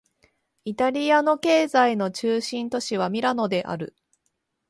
イタリアの経済の中心都市はミラノである